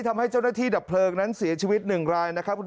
ทำให้เจ้าหน้าที่ดับเพลิงนั้นเสียชีวิต๑รายนะครับ